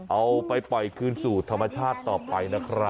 เอาไปปล่อยคืนสู่ธรรมชาติต่อไปนะครับ